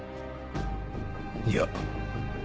いや。